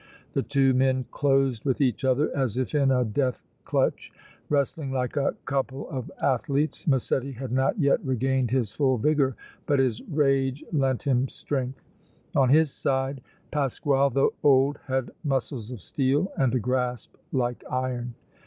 The two men closed with each other as if in a death clutch, wrestling like a couple of athletes. Massetti had not yet regained his full vigor, but his rage lent him strength. On his side, Pasquale, though old, had muscles of steel and a grasp like iron.